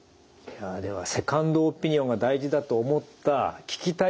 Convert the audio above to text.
ではセカンドオピニオンが大事だと思った聞きたいと思う。